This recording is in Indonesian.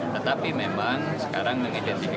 tetapi memang sekarang mengidentifikasi